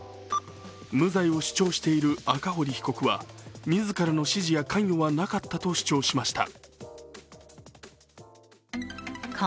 無罪を主張している赤堀被告は、自らに指示や関与はなかったと主張しました。